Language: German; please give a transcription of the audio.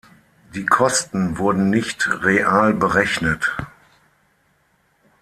Die Kosten wurden nicht real berechnet.